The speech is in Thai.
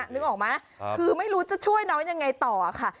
นึกออกไหมคือไม่รู้จะช่วยน้องยังไงต่อค่ะ